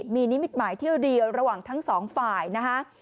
มีนิมิตหมายที่ดีระหว่างทั้ง๒ฝ่ายนะฮะ